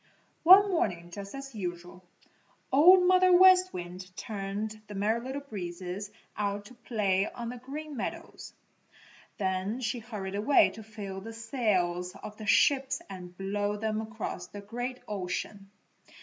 One morning, just as usual, Old Mother West Wind turned the Merry Little Breezes out to play on the Green Meadows. Then she hurried away to fill the sails of the ships and blow them across the great ocean.